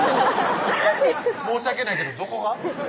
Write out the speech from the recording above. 申し訳ないけどどこが？